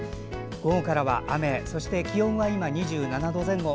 午後からは、雨そして気温は今２７度前後。